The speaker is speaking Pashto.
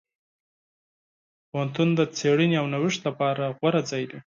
پوهنتون د څېړنې او نوښت لپاره غوره ځای دی.